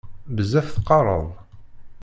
Bezzaf teqqareḍ.